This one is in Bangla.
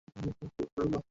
শুভ কামনা রইলো!